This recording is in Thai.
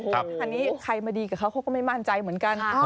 ฉะนั้นใครดีกับเขาก็ไม่มั่นใจเหมือนเต้ะ